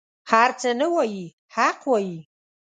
هر څه نه وايي حق وايي.